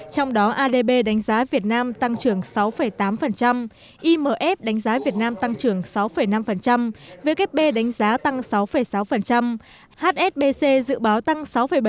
trong đó adb đánh giá việt nam tăng trưởng sáu tám imf đánh giá việt nam tăng trưởng sáu năm vkp đánh giá tăng sáu sáu hsbc dự báo tăng sáu bảy